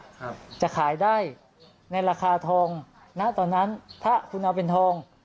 ครับจะขายได้ในราคาทองณตอนนั้นถ้าคุณเอาเป็นทอง